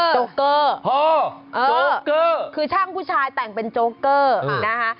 โกเกอร์โจ๊กเกอร์คือช่างผู้ชายแต่งเป็นโจ๊กเกอร์นะคะ